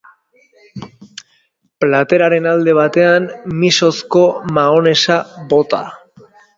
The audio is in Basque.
Plateraren alde batean misozko mahonesa bota.